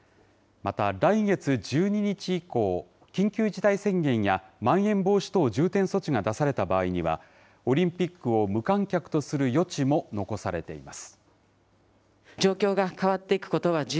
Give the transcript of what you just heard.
また来月１２日以降、緊急事態宣言やまん延防止等重点措置が出された場合には、オリンピックを無観客とする余地も残されています。